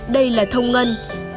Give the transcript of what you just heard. đây là thông ngân